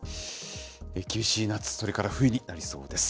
厳しい夏、それから冬になりそうです。